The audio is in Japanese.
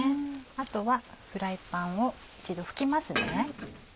あとはフライパンを一度拭きますね。